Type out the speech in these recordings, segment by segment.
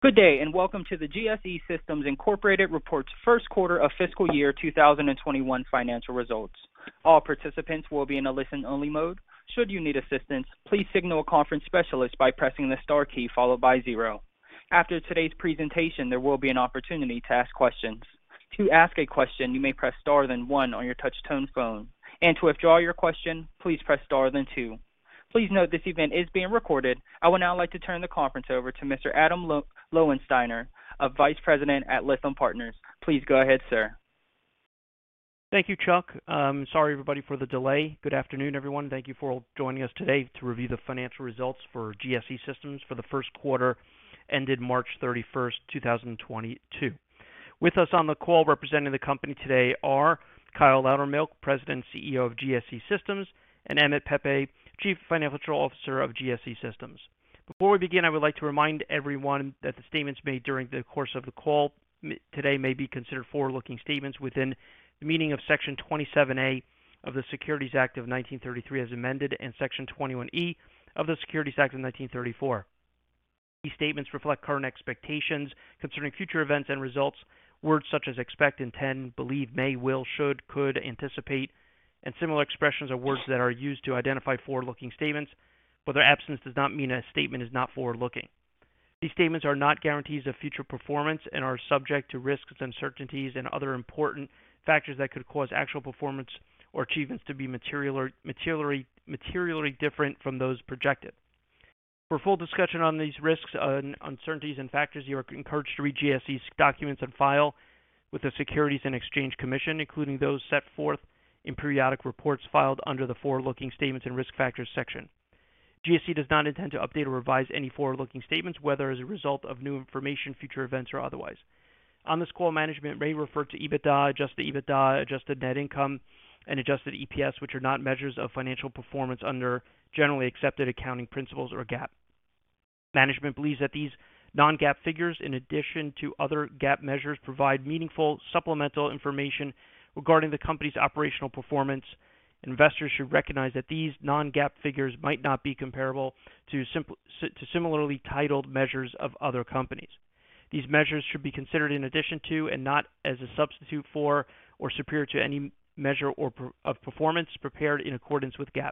Good day, and welcome to the GSE Systems, Inc. reports Q1 of fiscal year 2021 financial results. All participants will be in a listen-only mode. Should you need assistance, please signal a conference specialist by pressing the star key followed by zero. After today's presentation, there will be an opportunity to ask questions. To ask a question, you may press star then one on your touch-tone phone. To withdraw your question, please press star then two. Please note this event is being recorded. I would now like to turn the conference over to Mr. Adam Lowensteiner, Vice President at Lytham Partners. Please go ahead, sir. Thank you, Chuck. Sorry everybody for the delay. Good afternoon, everyone. Thank you for joining us today to review the financial results for GSE Systems for the Q1 ended March 31, 2022. With us on the call representing the company today are Kyle Loudermilk, President, CEO of GSE Systems, and Emmett Pepe, Chief Financial Officer of GSE Systems. Before we begin, I would like to remind everyone that the statements made during the course of the call today may be considered forward-looking statements within the meaning of Section 27A of the Securities Act of 1933, as amended, and Section 21E of the Securities Act of 1934. These statements reflect current expectations concerning future events and results. Words such as expect, intend, believe, may, will, should, could, anticipate, and similar expressions are words that are used to identify forward-looking statements, but their absence does not mean a statement is not forward-looking. These statements are not guarantees of future performance and are subject to risks and uncertainties and other important factors that could cause actual performance or achievements to be materially different from those projected. For full discussion on these risks and uncertainties and factors, you are encouraged to read GSE's documents and filings with the Securities and Exchange Commission, including those set forth in periodic reports filed under the Forward-Looking Statements and Risk Factors section. GSE does not intend to update or revise any forward-looking statements, whether as a result of new information, future events or otherwise. On this call, management may refer to EBITDA, adjusted EBITDA, adjusted net income, and adjusted EPS, which are not measures of financial performance under generally accepted accounting principles or GAAP. Management believes that these non-GAAP figures, in addition to other GAAP measures, provide meaningful supplemental information regarding the company's operational performance. Investors should recognize that these non-GAAP figures might not be comparable to similarly titled measures of other companies. These measures should be considered in addition to and not as a substitute for or superior to any measure of performance prepared in accordance with GAAP.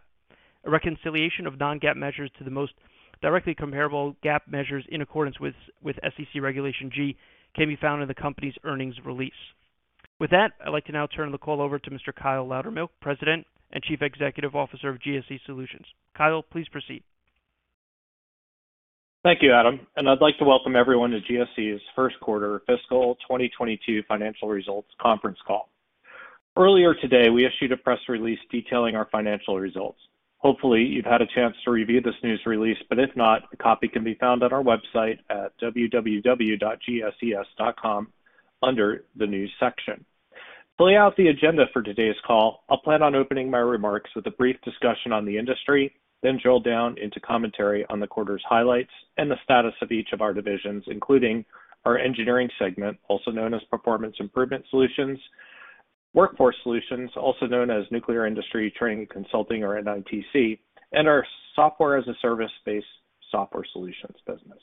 A reconciliation of non-GAAP measures to the most directly comparable GAAP measures in accordance with SEC Regulation G can be found in the company's earnings release. With that, I'd like to now turn the call over to Mr. Kyle Loudermilk, President and Chief Executive Officer of GSE Solutions. Kyle, please proceed. Thank you, Adam, and I'd like to welcome everyone to GSE's Q1 fiscal 2022 financial results conference call. Earlier today, we issued a press release detailing our financial results. Hopefully, you've had a chance to review this news release, but if not, a copy can be found on our website at www.gses.com under the News section. To lay out the agenda for today's call, I'll plan on opening my remarks with a brief discussion on the industry, then drill down into commentary on the quarter's highlights and the status of each of our divisions, including our engineering segment, also known as Performance Improvement Solutions, Workforce Solutions, also known as Nuclear Industry Training Consulting or NITC, and our software as a service-based software solutions business.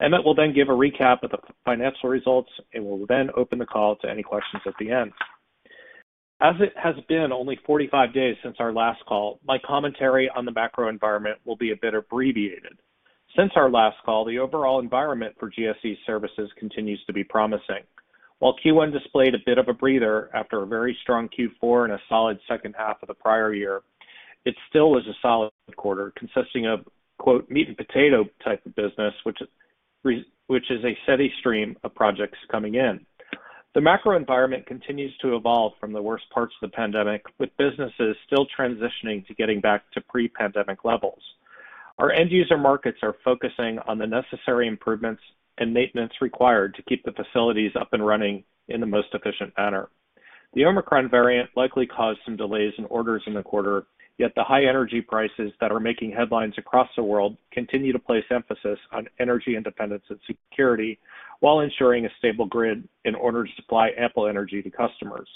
Emmett will then give a recap of the financial results, and we'll then open the call to any questions at the end. As it has been only 45 days since our last call, my commentary on the macro environment will be a bit abbreviated. Since our last call, the overall environment for GSE services continues to be promising. While Q1 displayed a bit of a breather after a very strong Q4 and a solid second half of the prior year, it still was a solid quarter consisting of, quote, meat and potatoes type of business, which is a steady stream of projects coming in. The macro environment continues to evolve from the worst parts of the pandemic, with businesses still transitioning to getting back to pre-pandemic levels. Our end user markets are focusing on the necessary improvements and maintenance required to keep the facilities up and running in the most efficient manner. The Omicron variant likely caused some delays in orders in the quarter, yet the high energy prices that are making headlines across the world continue to place emphasis on energy independence and security while ensuring a stable grid in order to supply ample energy to customers.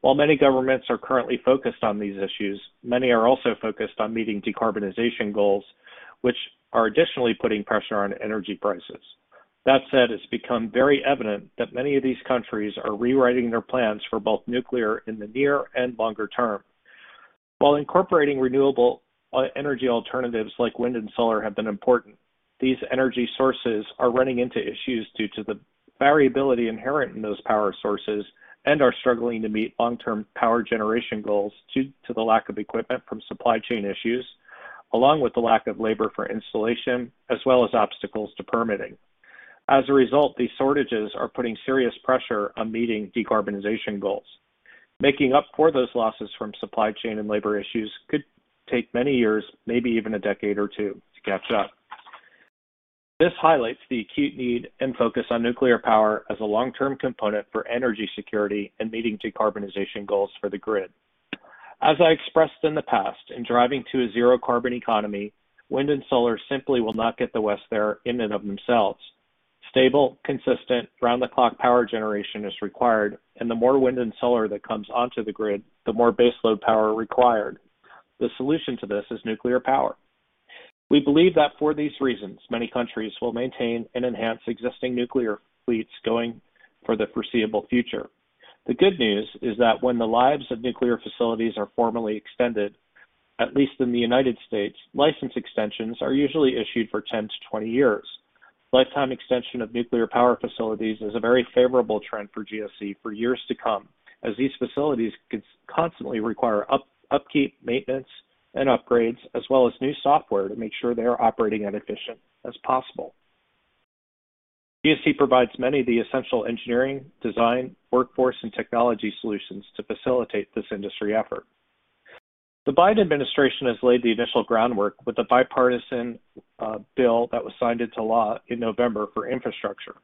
While many governments are currently focused on these issues, many are also focused on meeting decarbonization goals, which are additionally putting pressure on energy prices. That said, it's become very evident that many of these countries are rewriting their plans for both nuclear in the near and longer term. While incorporating renewable energy alternatives like wind and solar have been important, these energy sources are running into issues due to the variability inherent in those power sources and are struggling to meet long-term power generation goals due to the lack of equipment from supply chain issues, along with the lack of labor for installation, as well as obstacles to permitting. As a result, these shortages are putting serious pressure on meeting decarbonization goals. Making up for those losses from supply chain and labor issues could take many years, maybe even a decade or two to catch up. This highlights the acute need and focus on nuclear power as a long-term component for energy security and meeting decarbonization goals for the grid. As I expressed in the past, in driving to a zero carbon economy, wind and solar simply will not get the West there in and of themselves. Stable, consistent, round-the-clock power generation is required, and the more wind and solar that comes onto the grid, the more baseload power required. The solution to this is nuclear power. We believe that for these reasons, many countries will maintain and enhance existing nuclear fleets going for the foreseeable future. The good news is that when the lives of nuclear facilities are formally extended, at least in the United States, license extensions are usually issued for 10-20 years. Lifetime extension of nuclear power facilities is a very favorable trend for GSE for years to come, as these facilities constantly require upkeep, maintenance, and upgrades, as well as new software to make sure they are operating as efficient as possible. GSE provides many of the essential engineering, design, workforce, and technology solutions to facilitate this industry effort. The Biden administration has laid the initial groundwork with the bipartisan bill that was signed into law in November for infrastructure.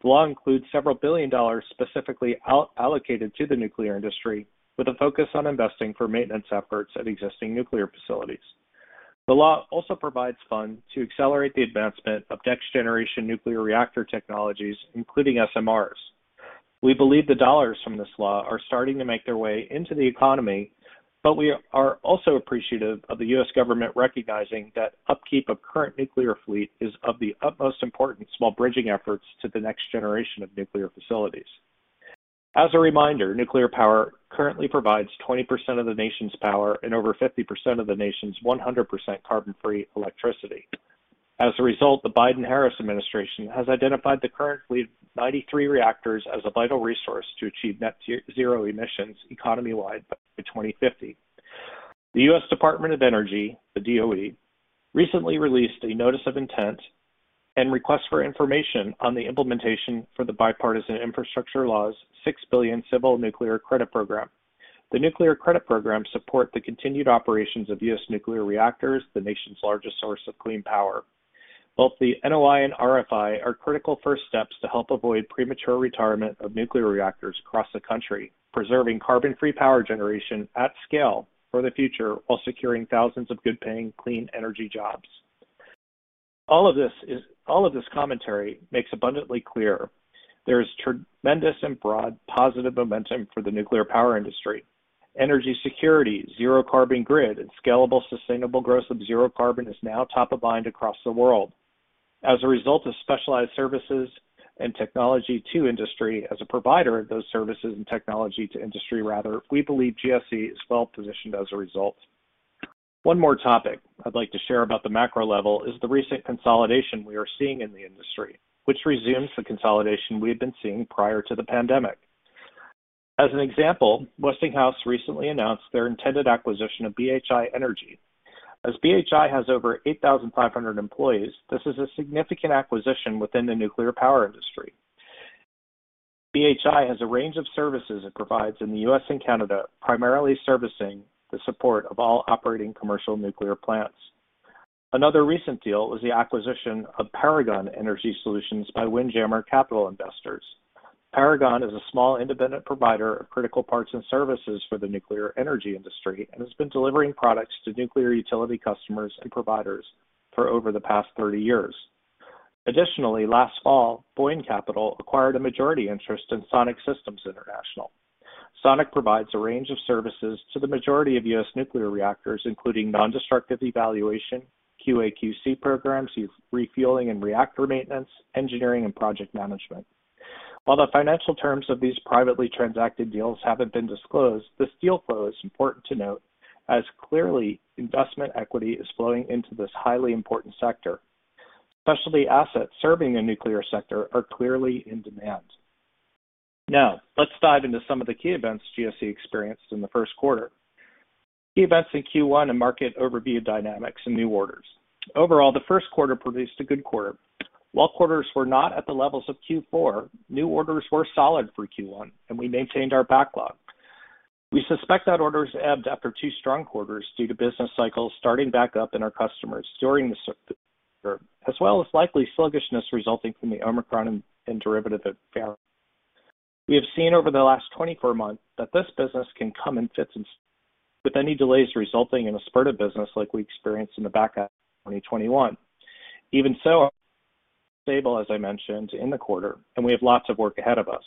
The law includes $several billion specifically allocated to the nuclear industry with a focus on investing for maintenance efforts at existing nuclear facilities. The law also provides funds to accelerate the advancement of next-generation nuclear reactor technologies, including SMRs. We believe the dollars from this law are starting to make their way into the economy, but we are also appreciative of the U.S. government recognizing that upkeep of current nuclear fleet is of the utmost importance while bridging efforts to the next generation of nuclear facilities. As a reminder, nuclear power currently provides 20% of the nation's power and over 50% of the nation's 100% carbon-free electricity. As a result, the Biden-Harris administration has identified the current fleet of 93 reactors as a vital resource to achieve net zero emissions economy-wide by 2050. The U.S. Department of Energy, the DOE, recently released a notice of intent and request for information on the implementation for the Bipartisan Infrastructure Law's $6 billion Civil Nuclear Credit Program. The Civil Nuclear Credit Program supports the continued operations of U.S. nuclear reactors, the nation's largest source of clean power. Both the NOI and RFI are critical first steps to help avoid premature retirement of nuclear reactors across the country, preserving carbon-free power generation at scale for the future while securing thousands of good-paying, clean energy jobs. All of this commentary makes abundantly clear there is tremendous and broad positive momentum for the nuclear power industry. Energy security, zero carbon grid, and scalable, sustainable growth of zero carbon is now top of mind across the world. As a provider of those services and technology to industry, rather, we believe GSE is well-positioned as a result. One more topic I'd like to share about the macro level is the recent consolidation we are seeing in the industry, which resumes the consolidation we had been seeing prior to the pandemic. As an example, Westinghouse recently announced their intended acquisition of BHI Energy. As BHI has over 8,500 employees, this is a significant acquisition within the nuclear power industry. BHI has a range of services it provides in the U.S. and Canada, primarily servicing the support of all operating commercial nuclear plants. Another recent deal was the acquisition of Paragon Energy Solutions by Windjammer Capital Investors. Paragon is a small independent provider of critical parts and services for the nuclear energy industry and has been delivering products to nuclear utility customers and providers for over the past 30 years. Additionally, last fall, Boyne Capital acquired a majority interest in Sonic Systems International. Sonic provides a range of services to the majority of U.S. nuclear reactors, including nondestructive evaluation, QA/QC programs, refueling and reactor maintenance, engineering, and project management. While the financial terms of these privately transacted deals haven't been disclosed, this deal flow is important to note as clearly investment equity is flowing into this highly important sector. Specialty assets serving the nuclear sector are clearly in demand. Now, let's dive into some of the key events GSE experienced in the Q1. Key events in Q1 and market overview dynamics and new orders. Overall, the Q1 produced a good quarter. While quarters were not at the levels of Q4, new orders were solid for Q1, and we maintained our backlog. We suspect that orders ebbed after two strong quarters due to business cycles starting back up in our customers during the Omicron, as well as likely sluggishness resulting from the Omicron and derivatives. We have seen over the last 24 months that this business can come in fits and starts, with any delays resulting in a spurt of business like we experienced in the back half of 2021. Even so, stable, as I mentioned, in the quarter, and we have lots of work ahead of us.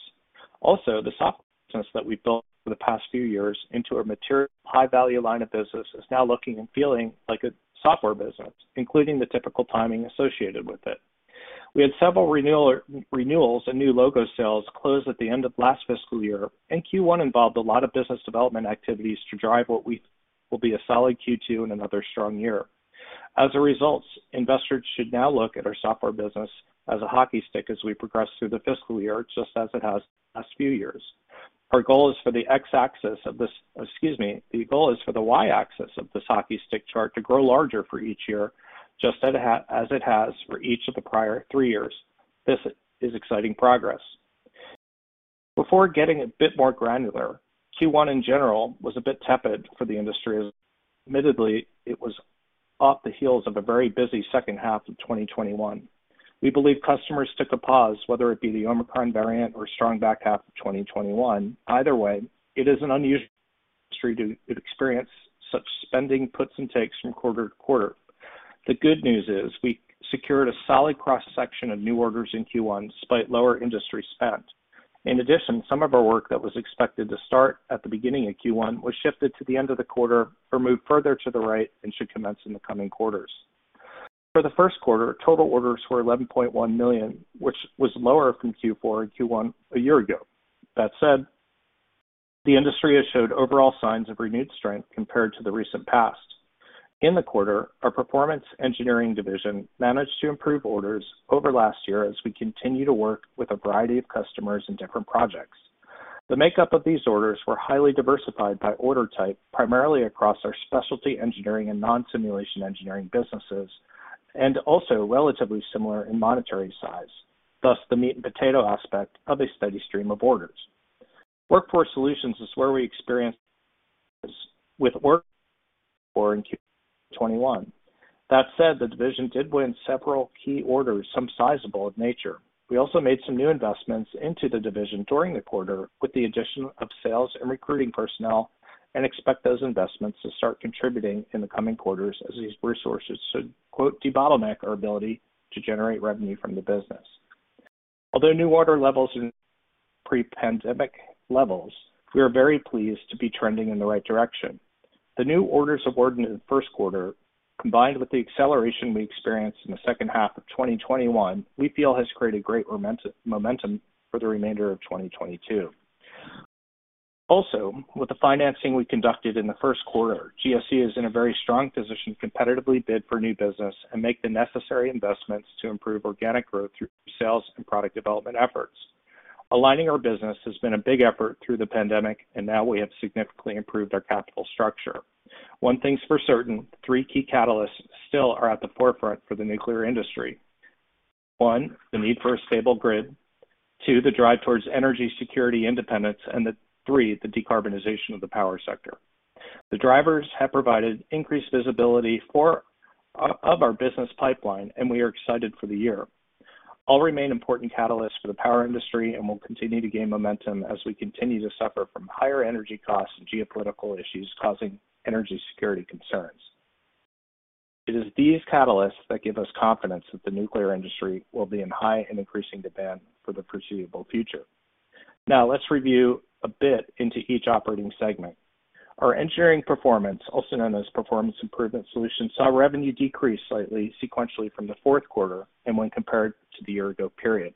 Also, the software business that we've built for the past few years into a material high-value line of business is now looking and feeling like a software business, including the typical timing associated with it. We had several renewals and new logo sales close at the end of last fiscal year, and Q1 involved a lot of business development activities to drive will be a solid Q2 and another strong year. As a result, investors should now look at our software business as a hockey stick as we progress through the fiscal year, just as it has the last few years. Our goal is for the y-axis of this hockey stick chart to grow larger for each year, just as it has for each of the prior three years. This is exciting progress. Before getting a bit more granular, Q1 in general was a bit tepid for the industry, as admittedly, it was off the heels of a very busy second half of 2021. We believe customers took a pause, whether it be the Omicron variant or strong back half of 2021. Either way, it isn't unusual to experience such spending puts and takes from quarter to quarter. The good news is we secured a solid cross-section of new orders in Q1 despite lower industry spend. In addition, some of our work that was expected to start at the beginning of Q1 was shifted to the end of the quarter or moved further to the right and should commence in the coming quarters. For the first quarter, total orders were $11.1 million, which was lower from Q4 and Q1 a year ago. That said, the industry has showed overall signs of renewed strength compared to the recent past. In the quarter, our performance engineering division managed to improve orders over last year as we continue to work with a variety of customers in different projects. The makeup of these orders were highly diversified by order type, primarily across our specialty engineering and non-simulation engineering businesses, and also relatively similar in monetary size. Thus, the meat and potatoes aspect of a steady stream of orders. Workforce Solutions is where we experienced weak orders in Q1 2021. That said, the division did win several key orders, some sizable in nature. We also made some new investments into the division during the quarter with the addition of sales and recruiting personnel, and expect those investments to start contributing in the coming quarters as these resources, to quote, "debottleneck our ability to generate revenue from the business." Although new order levels in pre-pandemic levels, we are very pleased to be trending in the right direction. The new orders awarded in the Q1, combined with the acceleration we experienced in the second half of 2021, we feel has created great momentum for the remainder of 2022. Also, with the financing we conducted in the Q1, GSE is in a very strong position to competitively bid for new business and make the necessary investments to improve organic growth through sales and product development efforts. Aligning our business has been a big effort through the pandemic, and now we have significantly improved our capital structure. One thing's for certain, three key catalysts still are at the forefront for the nuclear industry. One, the need for a stable grid. Two, the drive towards energy security independence. Three, the decarbonization of the power sector. The drivers have provided increased visibility of our business pipeline, and we are excited for the year. All remain important catalysts for the power industry, and will continue to gain momentum as we continue to suffer from higher energy costs and geopolitical issues causing energy security concerns. It is these catalysts that give us confidence that the nuclear industry will be in high and increasing demand for the foreseeable future. Now, let's review a bit into each operating segment. Our engineering performance, also known as Performance Improvement Solutions, saw revenue decrease slightly sequentially from the and when compared to the year ago period.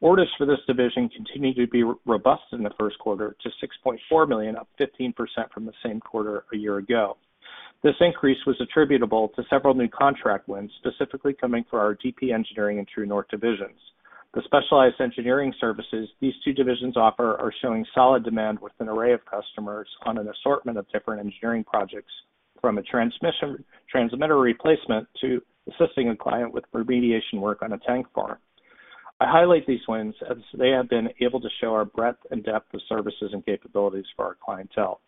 Orders for this division continued to be very robust in the Q1 to $6.4 million, up 15% from the same quarter a year ago. This increase was attributable to several new contract wins, specifically coming from our DP Engineering and True North divisions. The specialized engineering services these two divisions offer are showing solid demand with an array of customers on an assortment of different engineering projects, from a transmitter replacement to assisting a client with remediation work on a tank farm. I highlight these wins as they have been able to show our breadth and depth of services and capabilities for our clientele.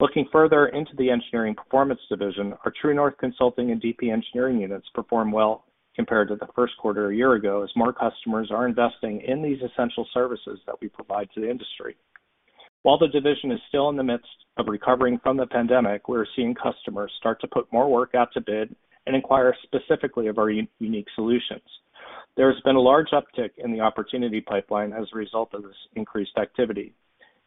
Looking further into the engineering performance division, our True North Consulting and DP Engineering units perform well compared to the Q1 a year ago, as more customers are investing in these essential services that we provide to the industry. While the division is still in the midst of recovering from the pandemic, we're seeing customers start to put more work out to bid and inquire specifically of our unique solutions. There has been a large uptick in the opportunity pipeline as a result of this increased activity.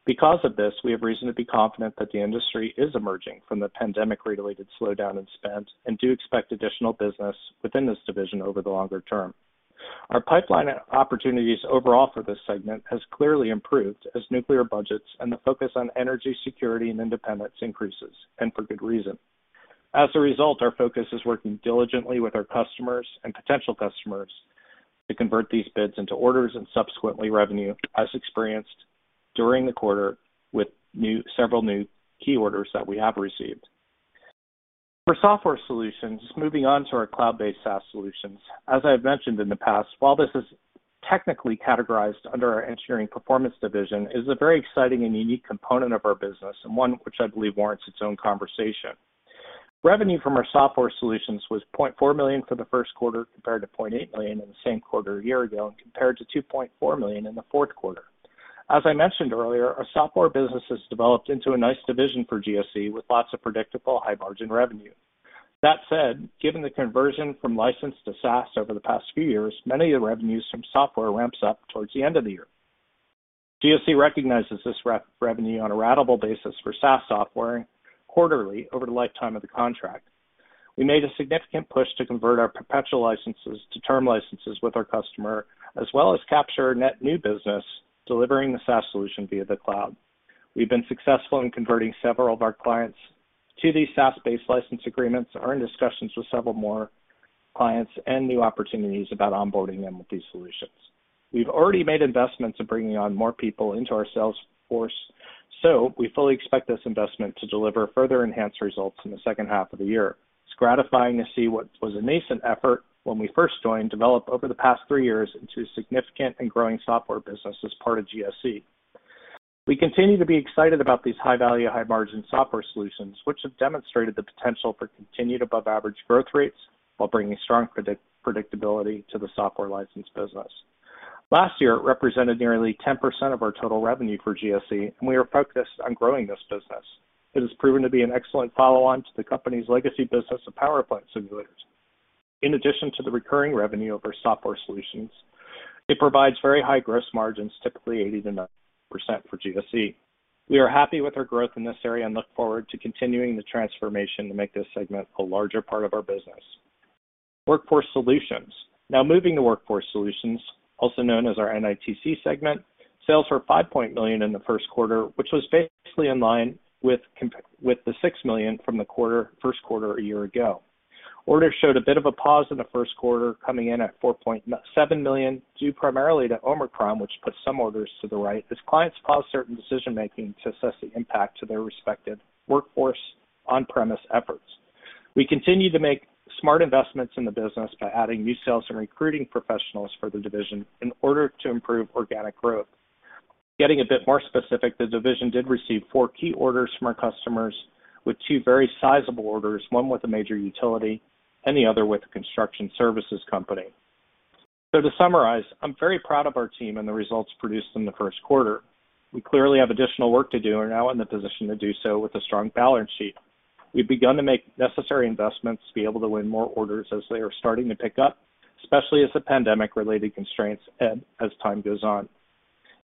Because of this, we have reason to be confident that the industry is emerging from the pandemic-related slowdown in spend and do expect additional business within this division over the longer term. Our pipeline opportunities overall for this segment has clearly improved as nuclear budgets and the focus on energy security and independence increases, and for good reason. As a result, our focus is working diligently with our customers and potential customers to convert these bids into orders and subsequently revenue, as experienced during the quarter with several new key orders that we have received. For software solutions, moving on to our cloud-based SaaS solutions. As I have mentioned in the past, while this is technically categorized under our engineering performance division, it is a very exciting and unique component of our business, and one which I believe warrants its own conversation. Revenue from our software solutions was $0.4 million for the Q1 compared to $0.8 million in the same quarter a year ago and compared to $2.4 million in the Q4. As I mentioned earlier, our software business has developed into a nice division for GSE with lots of predictable high margin revenue. That said, given the conversion from licensed to SaaS over the past few years, many of the revenues from software ramps up towards the end of the year. GSE recognizes this revenue on a ratable basis for SaaS software quarterly over the lifetime of the contract. We made a significant push to convert our perpetual licenses to term licenses with our customer, as well as capture net new business delivering the SaaS solution via the cloud. We've been successful in converting several of our clients to these SaaS-based license agreements. We are in discussions with several more clients and new opportunities about onboarding them with these solutions. We've already made investments in bringing on more people into our sales force, so we fully expect this investment to deliver further enhanced results in the second half of the year. It's gratifying to see what was a nascent effort when we first joined, develop over the past three years into a significant and growing software business as part of GSE. We continue to be excited about these high-value, high-margin software solutions, which have demonstrated the potential for continued above average growth rates while bringing strong predictability to the software license business. Last year represented nearly 10% of our total revenue for GSE, and we are focused on growing this business. It has proven to be an excellent follow-on to the company's legacy business of power plant simulators. In addition to the recurring revenue of our software solutions, it provides very high gross margins, typically 80%-90% for GSE. We are happy with our growth in this area and look forward to continuing the transformation to make this segment a larger part of our business. Workforce solutions. Now moving to Workforce Solutions, also known as our NITC segment. Sales were $5 million in the Q1, which was basically in line with the $6 million from the Q1 a year ago. Orders showed a bit of a pause in the Q1, coming in at $4.7 million, due primarily to Omicron, which put some orders to the right as clients pause certain decision-making to assess the impact to their respective workforce on-premise efforts. We continue to make smart investments in the business by adding new sales and recruiting professionals for the division in order to improve organic growth. Getting a bit more specific, the division did receive four key orders from our customers, with two very sizable orders, one with a major utility and the other with a construction services company. To summarize, I'm very proud of our team and the results produced in the Q1. We clearly have additional work to do and are now in the position to do so with a strong balance sheet. We've begun to make necessary investments to be able to win more orders as they are starting to pick up, especially as the pandemic related constraints end as time goes on.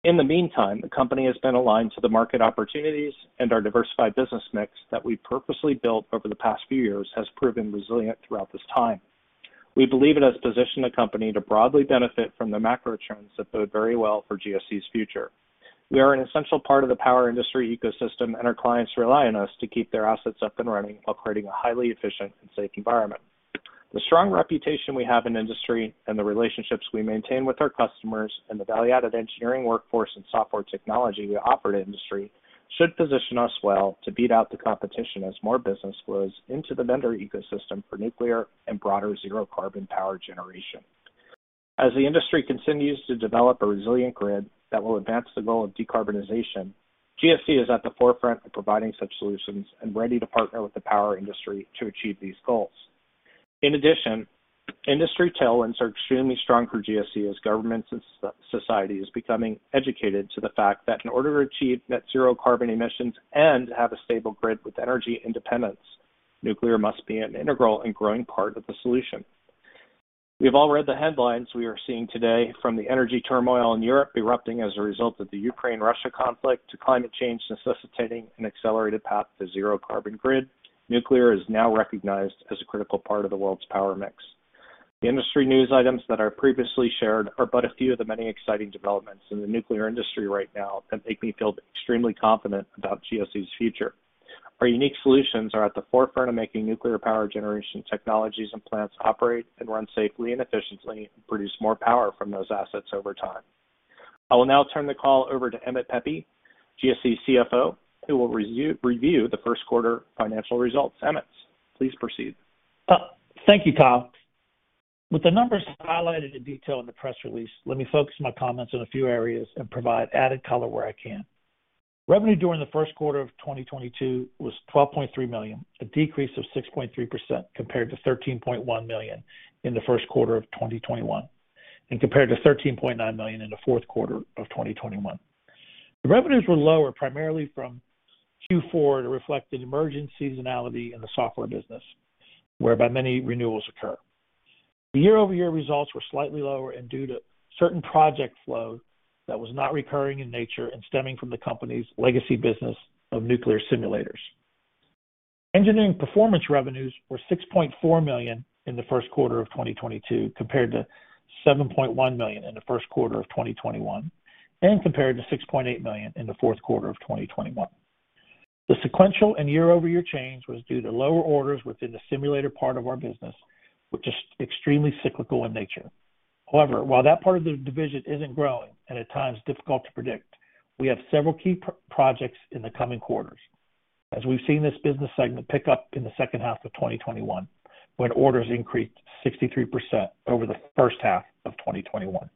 In the meantime, the company has been aligned to the market opportunities and our diversified business mix that we purposely built over the past few years has proven resilient throughout this time. We believe it has positioned the company to broadly benefit from the macro trends that bode very well for GSE's future. We are an essential part of the power industry ecosystem, and our clients rely on us to keep their assets up and running while creating a highly efficient and safe environment. The strong reputation we have in industry and the relationships we maintain with our customers and the value-added engineering workforce and software technology we offer to industry should position us well to beat out the competition as more business flows into the vendor ecosystem for nuclear and broader zero carbon power generation. As the industry continues to develop a resilient grid that will advance the goal of decarbonization, GSE is at the forefront of providing such solutions and ready to partner with the power industry to achieve these goals. In addition, industry tailwinds are extremely strong for GSE as governments and society is becoming educated to the fact that in order to achieve net zero carbon emissions and have a stable grid with energy independence, nuclear must be an integral and growing part of the solution. We've all read the headlines we are seeing today from the energy turmoil in Europe erupting as a result of the Ukraine-Russia conflict, to climate change necessitating an accelerated path to zero carbon grid. Nuclear is now recognized as a critical part of the world's power mix. The industry news items that I previously shared are but a few of the many exciting developments in the nuclear industry right now that make me feel extremely confident about GSE's future. Our unique solutions are at the forefront of making nuclear power generation technologies and plants operate and run safely and efficiently and produce more power from those assets over time. I will now turn the call over to Emmett Pepe, GSE's CFO, who will review the Q1 financial results. Emmett, please proceed. Thank you, Kyle. With the numbers highlighted in detail in the press release, let me focus my comments on a few areas and provide added color where I can. Revenue during the Q1 of 2022 was $12.3 million, a decrease of 6.3% compared to $13.1 million in the Q1 of 2021, and compared to $13.9 million in the Q4 of 2021. The revenues were lower primarily from Q4 to reflect an emergent seasonality in the software business, whereby many renewals occur. The year-over-year results were slightly lower and due to certain project flow that was not recurring in nature and stemming from the company's legacy business of nuclear simulators. Engineering Performance revenues were $6.4 million in the Q1 of 2022, compared to $7.1 million in the Q1 of 2021, and compared to $6.8 million in the Q4 of 2021. The sequential and year-over-year change was due to lower orders within the simulator part of our business, which is extremely cyclical in nature. However, while that part of the division isn't growing and at times difficult to predict, we have several key projects in the coming quarters. As we've seen this business segment pick up in the second half of 2021, when orders increased 63% over the first half of 2021.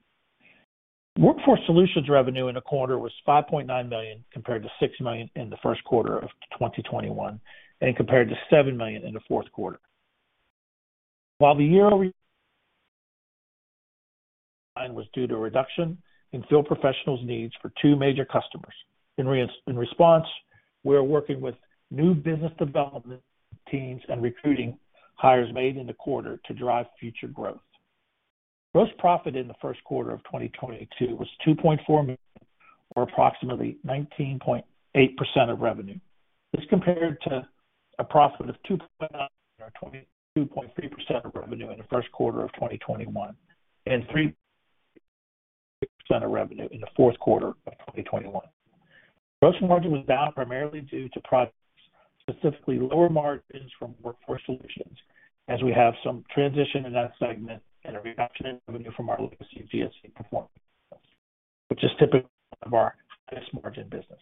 Workforce Solutions revenue in the quarter was $5.9 million, compared to $6 million in the Q1 of 2021 and compared to $7 million in theQ4. While the year-over-year decline was due to a reduction in field professionals' needs for two major customers. In response, we are working with new business development teams and recent hires made in the quarter to drive future growth. Gross profit in the Q1 of 2022 was $2.4 million, or approximately 19.8% of revenue. This compared to a profit of $2.9 million or 22.3% of revenue in the Q1 of 2021 and 3% of revenue in the Q4of 2021. Gross margin was down primarily due to products, specifically lower margins from Workforce Solutions as we have some transition in that segment and a reduction in revenue from our legacy GSE performance, which is typically our highest margin business.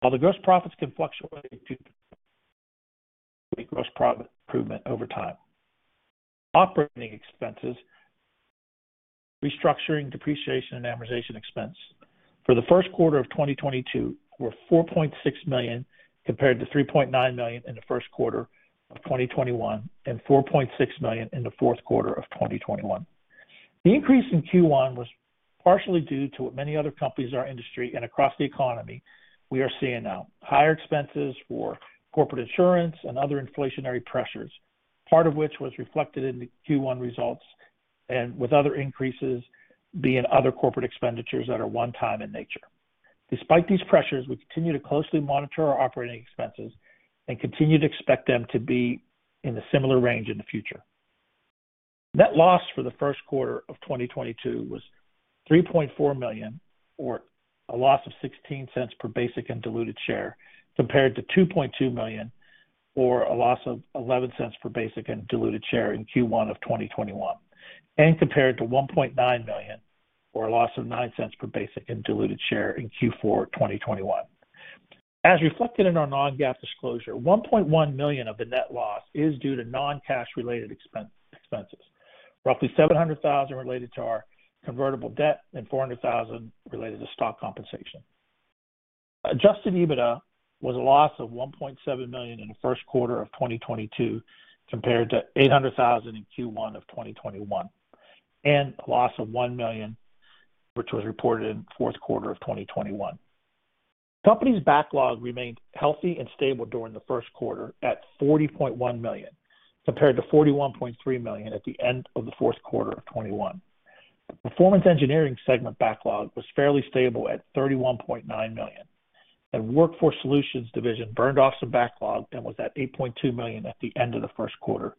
While the gross profits can fluctuate due to gross profit improvement over time. Operating expenses, restructuring, depreciation and amortization expense for the Q1 of 2022 were $4.6 million compared to $3.9 million in the Q1of 2021 and $4.6 million in the Q4 of 2021. The increase in Q1 was partially due to what many other companies in our industry and across the economy we are seeing now. Higher expenses for corporate insurance and other inflationary pressures, part of which was reflected in the Q1 results and with other increases being other corporate expenditures that are one-time in nature. Despite these pressures, we continue to closely monitor our operating expenses and continue to expect them to be in a similar range in the future. Net loss for the Q1 of 2022 was $3.4 million, or a loss of $0.16 per basic and diluted share, compared to $2.2 million, or a loss of $0.11 per basic and diluted share in Q1 of 2021, and compared to $1.9 million, or a loss of $0.09 per basic and diluted share in Q4 2021. As reflected in our non-GAAP disclosure, $1.1 million of the net loss is due to non-cash related expenses, roughly $700,000 related to our convertible debt and $400,000 related to stock compensation. Adjusted EBITDA was a loss of $1.7 million in the Q1 of 2022 compared to $800,000 in Q1 of 2021, and a loss of $1 million, which was reported in Q4 of 2021. Company's backlog remained healthy and stable during the Q1 at $40.1 million, compared to $41.3 million at the end of the Q4 of 2021. The performance engineering segment backlog was fairly stable at $31.9 million. The workforce solutions division burned off some backlog and was at $8.2 million at the end of the Q1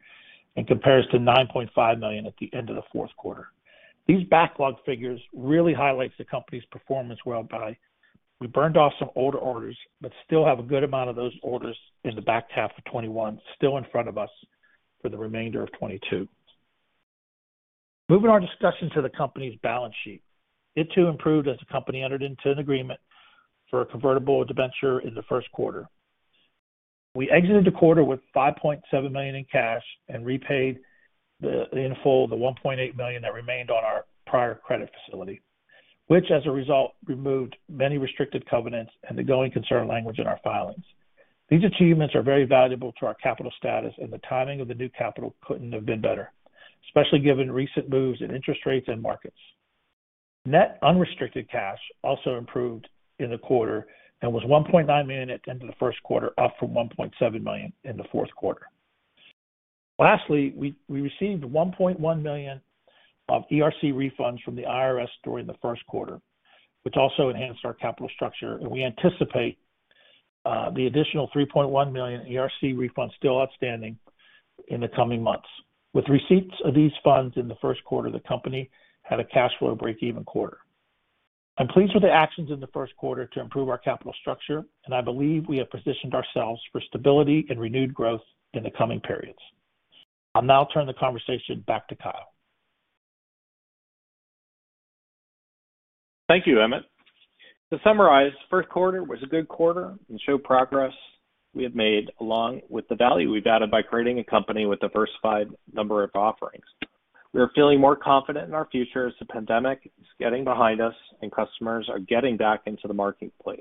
and compares to $9.5 million at the end of theQ4. These backlog figures really highlights the company's performance well by we burned off some older orders, but still have a good amount of those orders in the back half of 2021 still in front of us for the remainder of 2022. Moving our discussion to the company's balance sheet. It too improved as the company entered into an agreement for a convertible debenture in the Q1. We exited the quarter with $5.7 million in cash and repaid in full the $1.8 million that remained on our prior credit facility, which as a result removed many restricted covenants and the going concern language in our filings. These achievements are very valuable to our capital status, and the timing of the new capital couldn't have been better, especially given recent moves in interest rates and markets. Net unrestricted cash also improved in the quarter and was $1.9 million at the end of the Q1, up from $1.7 million in the Q4. Lastly, we received $1.1 million of ERC refunds from the IRS during the Q1, which also enhanced our capital structure, and we anticipate the additional $3.1 million ERC refunds still outstanding in the coming months. With receipts of these funds in the Q1, the company had a cash flow breakeven quarter. I'm pleased with the actions in the Q1 to improve our capital structure, and I believe we have positioned ourselves for stability and renewed growth in the coming periods. I'll now turn the conversation back to Kyle. Thank you, Emmett. To summarize, Q1 was a good quarter and shows progress we have made along with the value we've added by creating a company with diversified number of offerings. We are feeling more confident in our future as the pandemic is getting behind us and customers are getting back into the marketplace.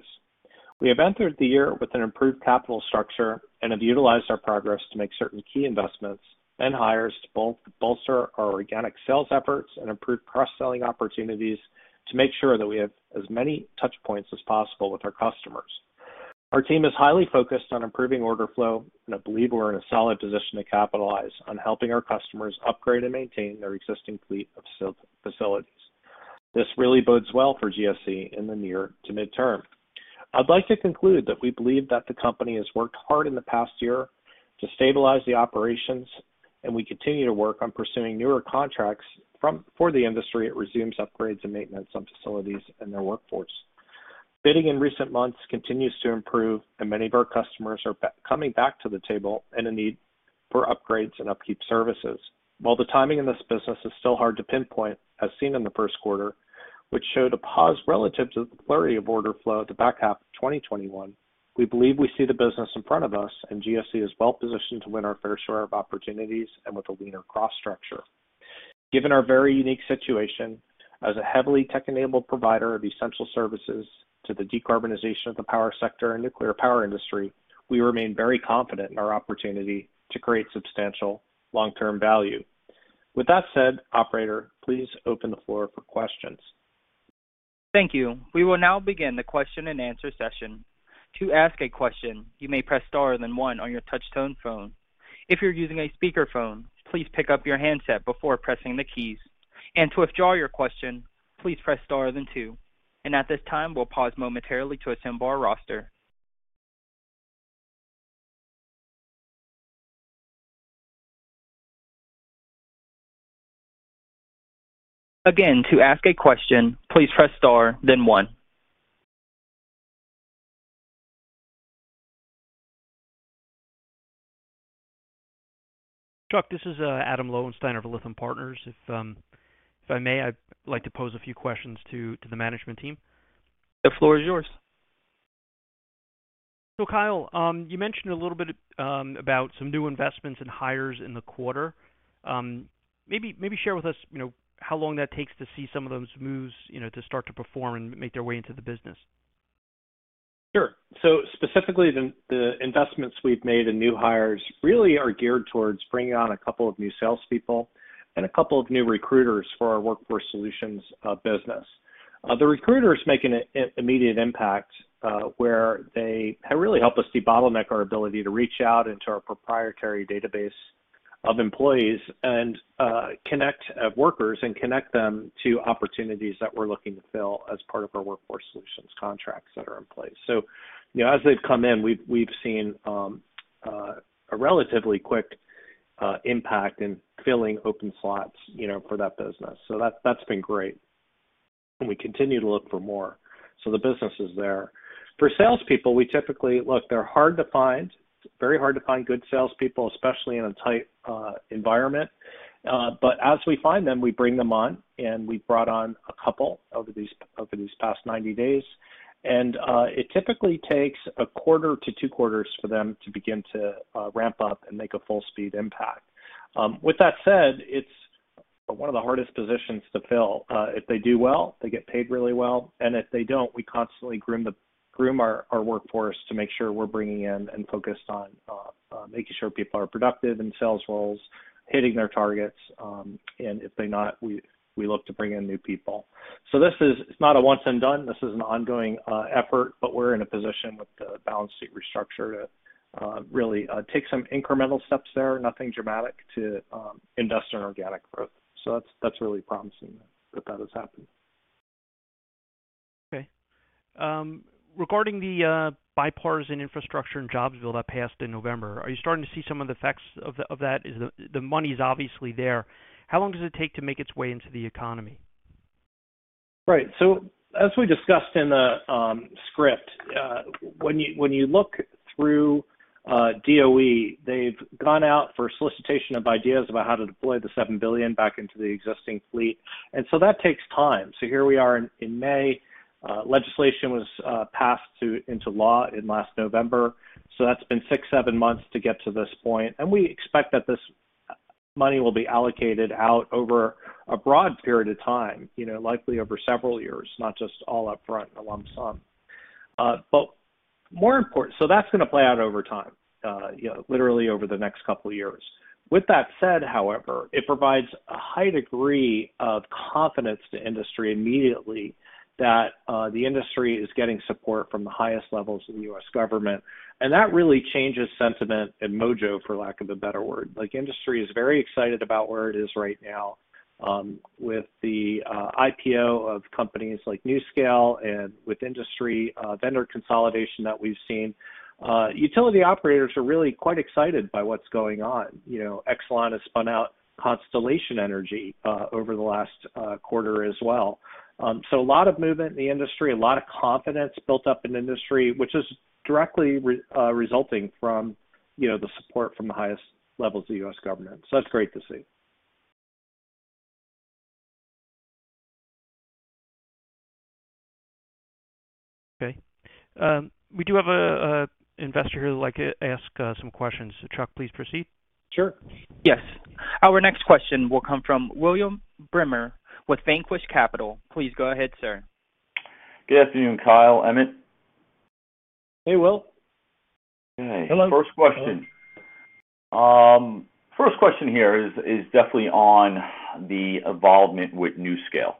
We have entered the year with an improved capital structure and have utilized our progress to make certain key investments and hires to bolster our organic sales efforts and improve cross-selling opportunities to make sure that we have as many touch points as possible with our customers. Our team is highly focused on improving order flow, and I believe we're in a solid position to capitalize on helping our customers upgrade and maintain their existing fleet of facilities. This really bodes well for GSE in the near to midterm. I'd like to conclude that we believe that the company has worked hard in the past year to stabilize the operations, and we continue to work on pursuing newer contracts for the industry. The industry resumes upgrades and maintenance on facilities and their workforce. Bidding in recent months continues to improve, and many of our customers are coming back to the table with a need for upgrades and upkeep services. While the timing in this business is still hard to pinpoint as seen in the Q1, which showed a pause relative to the flurry of order flow at the back half of 2021, we believe we see the business in front of us and GSE is well positioned to win our fair share of opportunities and with a leaner cost structure. Given our very unique situation as a heavily tech-enabled provider of essential services to the decarbonization of the power sector and nuclear power industry, we remain very confident in our opportunity to create substantial long-term value. With that said, operator, please open the floor for questions. Thank you. We will now begin the question and answer session. To ask a question, you may press star then one on your touch tone phone. If you're using a speaker phone, please pick up your handset before pressing the keys. To withdraw your question, please press star then two. At this time, we'll pause momentarily to assemble our roster. Again, to ask a question, please press star then one. Chuck, this is Adam Lowensteiner of Lytham Partners. If I may, I'd like to pose a few questions to the management team. The floor is yours. Kyle, you mentioned a little bit about some new investments and hires in the quarter. Maybe share with us how long that takes to see some of those moves to start to perform and make their way into the business. Sure. Specifically, the investments we've made in new hires really are geared towards bringing on a couple of new salespeople and a couple of new recruiters for our Workforce Solutions business. The recruiters make an immediate impact, where they have really helped us debottleneck our ability to reach out into our proprietary database of employees and connect workers and connect them to opportunities that we're looking to fill as part of our Workforce Solutions contracts that are in place. You know, as they've come in, we've seen a relatively quick impact in filling open slots for that business. That's been great, and we continue to look for more. The business is there. For salespeople, we typically look. Look, they're hard to find. It's very hard to find good salespeople, especially in a tight environment. As we find them, we bring them on, and we've brought on a couple over these past 90 days. It typically takes a quarter to two quarters for them to begin to ramp up and make a full speed impact. With that said, it's one of the hardest positions to fill. If they do well, they get paid really well. If they don't, we constantly groom our workforce to make sure we're bringing in and focused on making sure people are productive in sales roles, hitting their targets. If they're not, we look to bring in new people. This is. It's not a once and done, this is an ongoing effort, but we're in a position with the balance sheet restructure to really take some incremental steps there, nothing dramatic, to invest in organic growth. So that's really promising that has happened. Okay. Regarding the Bipartisan Infrastructure and Jobs Bill that passed in November, are you starting to see some of the effects of that? The money is obviously there. How long does it take to make its way into the economy? Right. As we discussed in the script, when you look through DOE, they've gone out for solicitation of ideas about how to deploy the $7 billion back into the existing fleet. That takes time. Here we are in May. Legislation was passed into law in last November. That's been six, seven months to get to this point. We expect that this money will be allocated out over a broad period of time likely over several years, not just all up front in a lump sum. But more important. That's gonna play out over time literally over the next couple of years. With that said, however, it provides a high degree of confidence to industry immediately that the industry is getting support from the highest levels of the U.S. government, and that really changes sentiment and mojo, for lack of a better word. Like, industry is very excited about where it is right now with the IPO of companies like NuScale and with industry vendor consolidation that we've seen. Utility operators are really quite excited by what's going on. You know, Exelon has spun out Constellation Energy over the last quarter as well. A lot of movement in the industry, a lot of confidence built up in industry, which is directly resulting from you know, the support from the highest levels of U.S. government. That's great to see. Okay. We do have an investor here who'd like to ask some questions. Chuck, please proceed. Sure. Yes. Our next question will come from William Brimmer with Vanquish Capital. Please go ahead, sir. Good afternoon, Kyle, Emmett. Hey, Will. Okay. Hello. First question. First question here is definitely on the involvement with NuScale.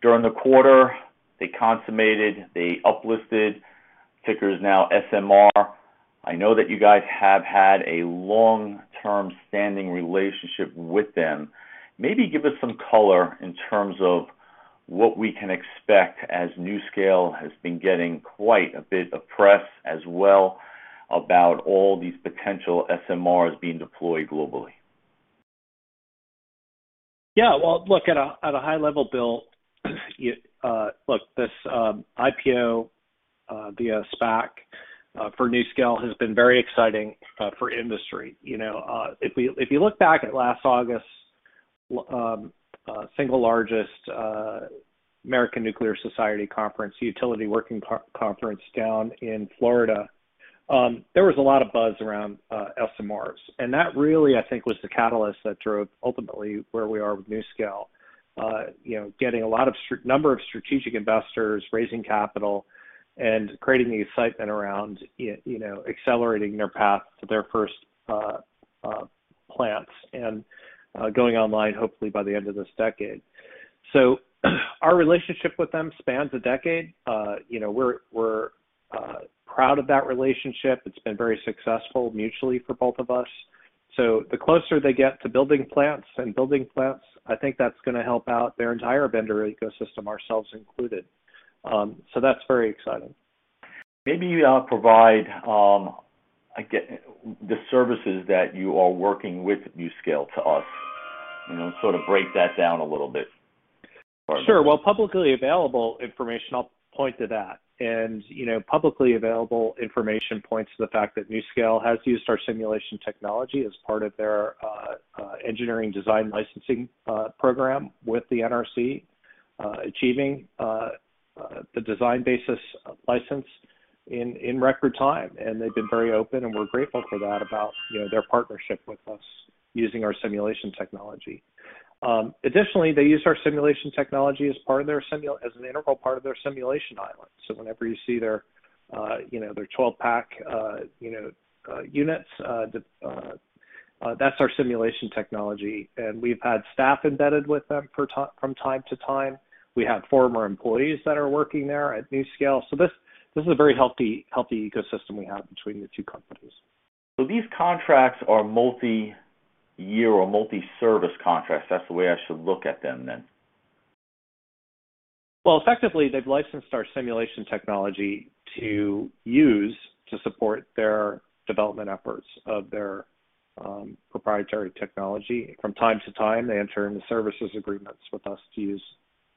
During the quarter, they consummated, they uplisted. Ticker is now SMR. I know that you guys have had a long-term standing relationship with them. Maybe give us some color in terms of what we can expect as NuScale has been getting quite a bit of press as well about all these potential SMRs being deployed globally. Yeah. Well, look, at a high level, Bill, look, this IPO via SPAC for NuScale has been very exciting for industry. You know, if you look back at last August's single largest American Nuclear Society Conference, Utility Working Conference down in Florida, there was a lot of buzz around SMRs. That really, I think, was the catalyst that drove ultimately where we are with NuScale. You know, getting a lot of strategic investors, raising capital, and creating the excitement around accelerating their path to their first plants and going online hopefully by the end of this decade. Our relationship with them spans a decade. You know, we're proud of that relationship. It's been very successful mutually for both of us. The closer they get to building plants, I think that's gonna help out their entire vendor ecosystem, ourselves included. That's very exciting. Maybe provide the services that you are working with NuScale for us sort of break that down a little bit for me? Sure. Well, publicly available information, I'll point to that. Publicly available information points to the fact that NuScale has used our simulation technology as part of their engineering design licensing program with the NRC, achieving the design basis license in record time, and they've been very open, and we're grateful for that about their partnership with us using our simulation technology. Additionally, they use our simulation technology as an integral part of their simulation island. So whenever you see their 12-pack units, that's our simulation technology. We've had staff embedded with them from time to time. We have former employees that are working there at NuScale. This is a very healthy ecosystem we have between the two companies. These contracts are multi-year or multi-service contracts. That's the way I should look at them then? Well, effectively, they've licensed our simulation technology to use to support their development efforts of their proprietary technology. From time to time, they enter into services agreements with us to use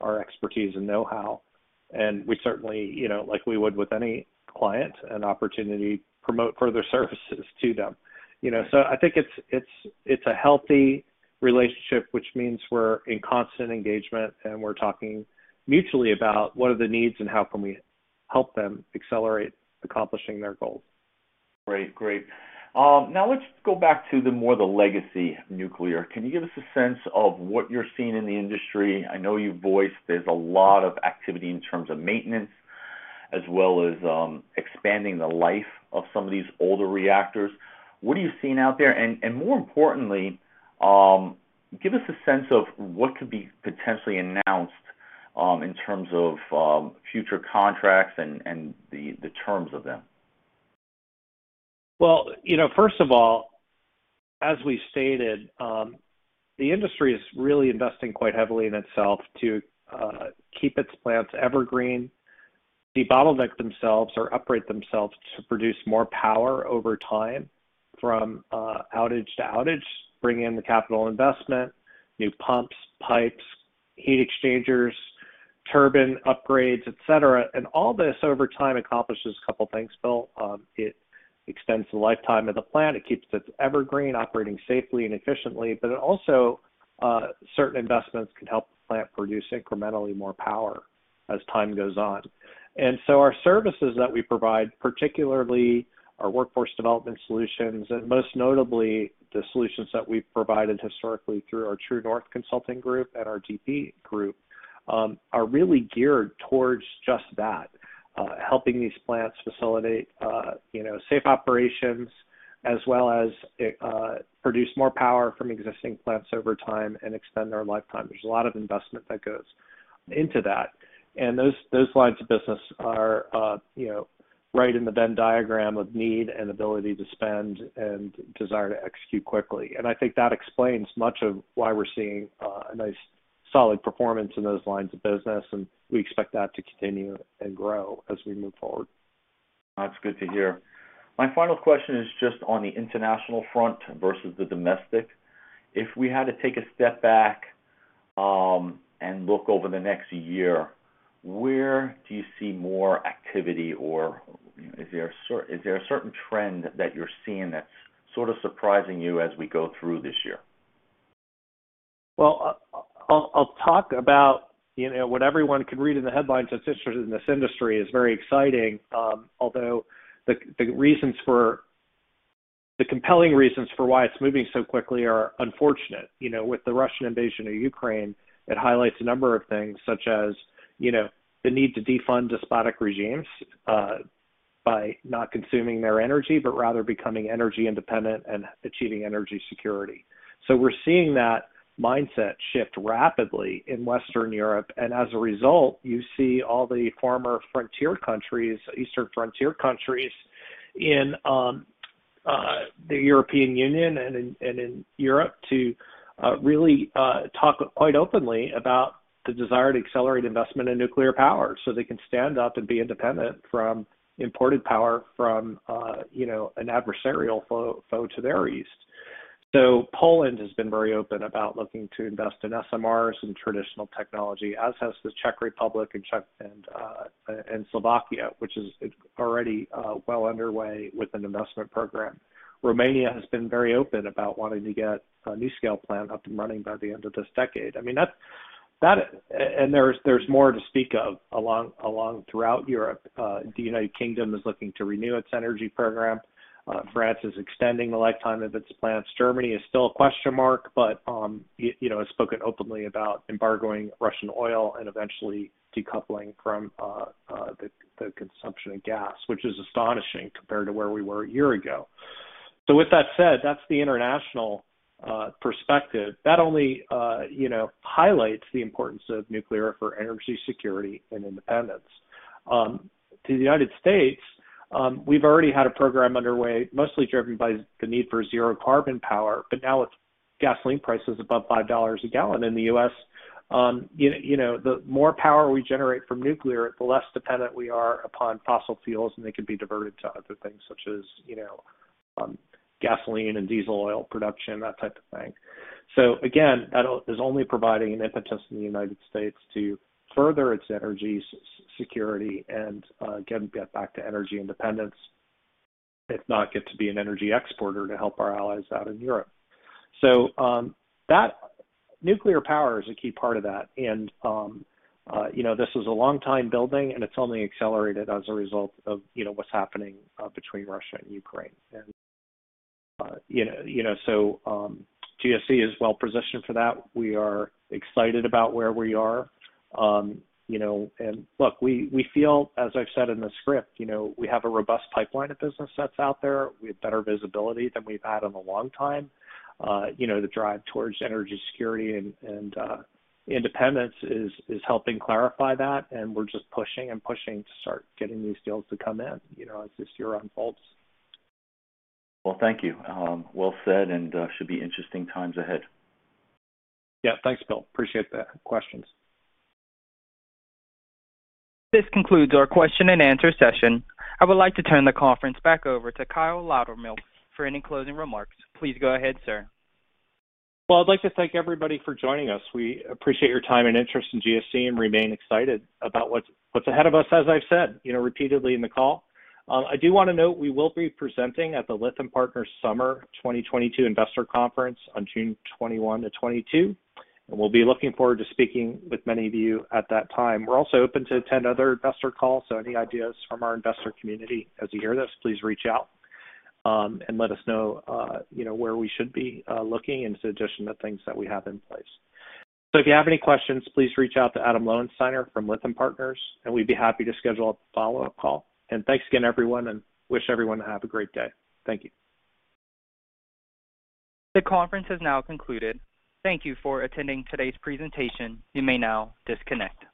our expertise and know-how. We certainly like we would with any client, an opportunity to promote further services to them. You know, I think it's a healthy relationship, which means we're in constant engagement, and we're talking mutually about what are the needs and how can we help them accelerate accomplishing their goals. Great. Now let's go back to the more the legacy nuclear. Can you give us a sense of what you're seeing in the industry? I know you've voiced there's a lot of activity in terms of maintenance as well as expanding the life of some of these older reactors. What are you seeing out there? More importantly, give us a sense of what could be potentially announced in terms of future contracts and the terms of them. Well first of all, as we stated, the industry is really investing quite heavily in itself to keep its plants evergreen, debottleneck themselves or upgrade themselves to produce more power over time from outage to outage, bring in the capital investment, new pumps, pipes, heat exchangers, turbine upgrades, et cetera. All this over time accomplishes a couple things, Bill. It extends the lifetime of the plant. It keeps it evergreen, operating safely and efficiently. It also, certain investments can help the plant produce incrementally more power as time goes on. Our services that we provide, particularly our Workforce Solutions, and most notably the solutions that we've provided historically through our True North Consulting group and our GP group, are really geared towards just that, helping these plants facilitate safe operations as well as, produce more power from existing plants over time and extend their lifetime. There's a lot of investment that goes into that. Those lines of business are right in the Venn diagram of need and ability to spend and desire to execute quickly. I think that explains much of why we're seeing, a nice solid performance in those lines of business, and we expect that to continue and grow as we move forward. That's good to hear. My final question is just on the international front versus the domestic. If we had to take a step back, and look over the next year, where do you see more activity or is there a certain trend that you're seeing that's sort of surprising you as we go through this year? Well, I'll talk about what everyone can read in the headlines that's interested in this industry is very exciting, although the compelling reasons for why it's moving so quickly are unfortunate. You know, with the Russian invasion of Ukraine, it highlights a number of things, such as the need to defund despotic regimes by not consuming their energy, but rather becoming energy independent and achieving energy security. We're seeing that mindset shift rapidly in Western Europe, and as a result, you see all the former frontier countries, eastern frontier countries in the European Union and in Europe to really talk quite openly about the desire to accelerate investment in nuclear power so they can stand up and be independent from imported power from you know, an adversarial foe to their east. Poland has been very open about looking to invest in SMRs and traditional technology, as has the Czech Republic and Slovakia, which is already well underway with an investment program. Romania has been very open about wanting to get a NuScale plant up and running by the end of this decade. I mean, that's and there's more to speak of along throughout Europe. The United Kingdom is looking to renew its energy program. France is extending the lifetime of its plants. Germany is still a question mark, but you know, has spoken openly about embargoing Russian oil and eventually decoupling from the consumption of gas, which is astonishing compared to where we were a year ago. With that said, that's the international perspective. That only highlights the importance of nuclear for energy security and independence. To the United States, we've already had a program underway, mostly driven by the need for zero carbon power, but now with gasoline prices above $5 a gallon in the U.S. the more power we generate from nuclear, the less dependent we are upon fossil fuels, and they can be diverted to other things such a gasoline and diesel oil production, that type of thing. Again, that is only providing an impetus in the United States to further its energy security and, again, get back to energy independence, if not get to be an energy exporter to help our allies out in Europe. Nuclear power is a key part of that. You know, this was a long time building, and it's only accelerated as a result of what's happening between Russia and Ukraine. You know, GSE is well-positioned for that. We are excited about where we are. You know, and look, we feel, as I've said in the script we have a robust pipeline of business that's out there. We have better visibility than we've had in a long time. You know, the drive towards energy security and independence is helping clarify that, and we're just pushing and pushing to start getting these deals to come in as this year unfolds. Well, thank you. Well said, and should be interesting times ahead. Yeah. Thanks, Bill. Appreciate the questions. This concludes our question and answer session. I would like to turn the conference back over to Kyle Loudermilk for any closing remarks. Please go ahead, sir. Well, I'd like to thank everybody for joining us. We appreciate your time and interest in GSE and remain excited about what's ahead of us, as I've said repeatedly in the call. I do wanna note we will be presenting at the Lytham Partners Summer 2022 Investor Conference on June 21-22, and we'll be looking forward to speaking with many of you at that time. We're also open to attend other investor calls, so any ideas from our investor community as you hear this, please reach out and let us know where we should be looking for suggestions to things that we have in place. If you have any questions, please reach out to Adam Lowensteiner from Lytham Partners, and we'd be happy to schedule a follow-up call. Thanks again, everyone, and wish everyone to have a great day. Thank you. The conference has now concluded. Thank you for attending today's presentation. You may now disconnect.